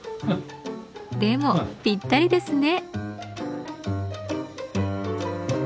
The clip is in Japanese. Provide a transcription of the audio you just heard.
でもぴったりですね。